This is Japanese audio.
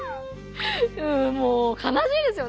もうかなしいですよね